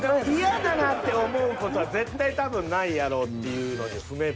嫌だなって思う事は絶対多分ないやろうっていうので踏めば。